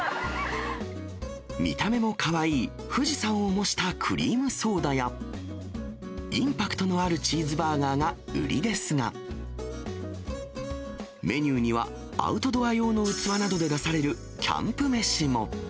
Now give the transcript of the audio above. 見た目もかわいい、富士山を模したクリームソーダや、インパクトのあるチーズバーガーが売りですが、メニューには、アウトドア用の器などで出されるキャンプ飯も。